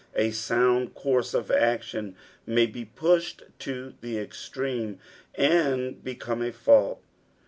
A sound course of action may be pushed to the extreme, and become a fault.